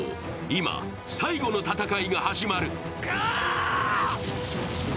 今、最後の戦いが始まる。